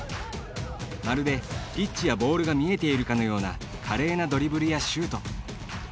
まるで、ピッチやボールが見えているかのような華麗なドリブルやシュート。